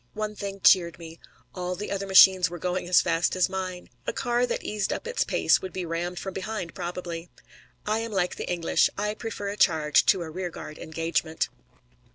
One thing cheered me all the other machines were going as fast as mine. A car that eased up its pace would be rammed from behind probably. I am like the English I prefer a charge to a rearguard engagement.